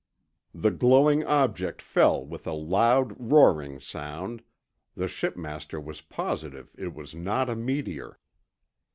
The glowing object fell with a loud roaring sound; the shipmaster was positive it was not a meteor.